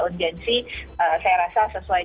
urgenci saya rasa sesuai